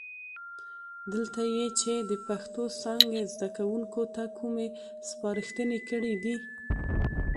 دلته یې چې د پښتو څانګې زده کوونکو ته کومې سپارښتنې کړي دي،